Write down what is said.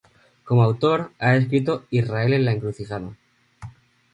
Como autor, ha escrito "Israel en la encrucijada.